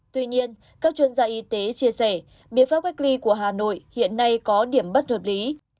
tuy nhiên các chuyên gia y tế chia sẻ biện pháp cách ly của hà nội hiện nay có điểm bất hợp lý